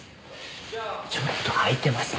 ちょっと開いてますね。